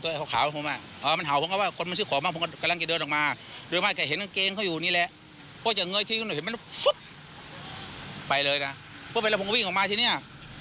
บัวค่ะอันนี้มันไปกับรุงเขาหมดเลยรถมันถ่ายไปหมดเลย